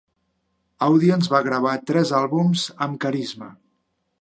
Audience va gravar tres àlbums amb Carisma.